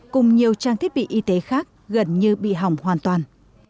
cùng nhiều trang thiết bị y tế khác gần như bị hỏng hoàn toàn